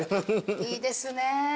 いいですね。